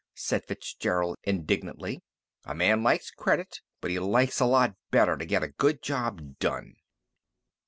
said Fitzgerald indignantly. "A man likes credit, but he likes a lot better to get a good job done!"